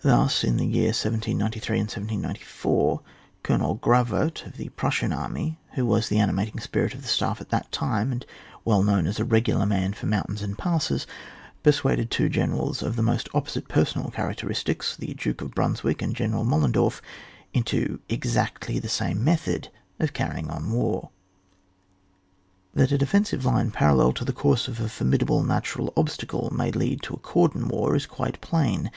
Thus in the year 1793 and 1794, Colonel Ghrawert of the Prussian army, who was the animating spirit of the staff at that time, and well known as a regu* lar man for mountains and passes, per suaded two generals of the most opposite personal characteristics, the Duke of Brunswick and General Mollendorf, into exactly the same method of carrying on war. That a defensive line parallel to the course of a formidable natural obstacle may lead to a cordon war is quite plain.